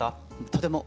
とても。